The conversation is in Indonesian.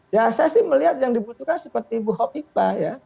ya saya sih melihat yang dibutuhkan seperti bu hopipa ya